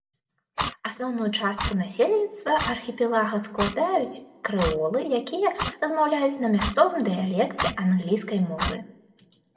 Асноўную частку насельніцтва архіпелага складаюць крэолы, якія размаўляюць на мясцовым дыялекце англійскай мовы.